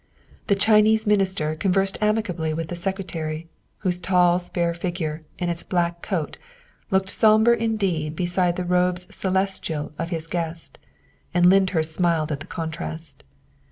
The Chinese Minister conversed amicably with the Secretary, whose tall, spare figure in its black coat looked sombre indeed beside the robes celestial of his guest, and Lyndhurst smiled at the contrast.